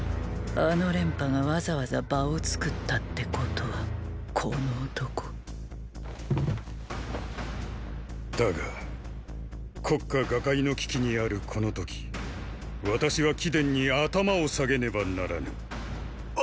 あの廉頗がわざわざ場を作ったってことはこの男だが国家瓦解の危機にあるこの時私は貴殿に頭を下げねばならぬ。